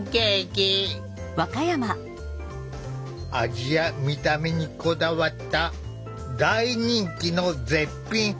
味や見た目にこだわった大人気の絶品スイーツだ。